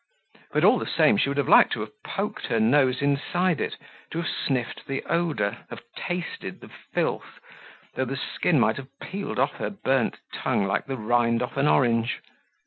But all the same she would have liked to have poked her nose inside it, to have sniffed the odor, have tasted the filth, though the skin might have peeled off her burnt tongue like the rind off an orange.